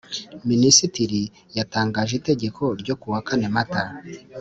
Minisitiri yatangaje itegeko ryo kuwa kane Mata